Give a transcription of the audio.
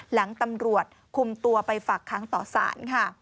หลังตำรวจคุมตัวไปฝากค้างต่อสารค่ะ